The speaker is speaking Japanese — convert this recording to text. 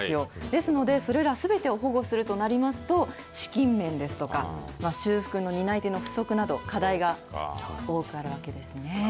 ですので、それらすべてを保護するとなりますと、資金面ですとか、修復の担い手の不足など、課題が多くあるわけですね。